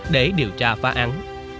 để điều tra phá án